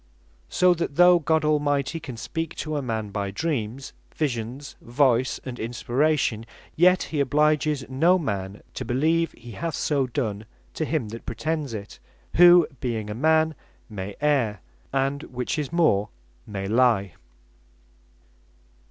So that though God Almighty can speak to a man, by Dreams, Visions, Voice, and Inspiration; yet he obliges no man to beleeve he hath so done to him that pretends it; who (being a man), may erre, and (which is more) may lie.